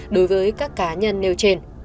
đối với các cá nhân nêu trên